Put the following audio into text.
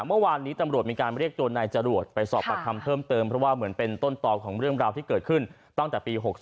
เมื่อวานนี้ตำรวจมีการเรียกตัวนายจรวดไปสอบปากคำเพิ่มเติมเพราะว่าเหมือนเป็นต้นต่อของเรื่องราวที่เกิดขึ้นตั้งแต่ปี๖๓